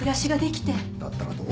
だったらどうして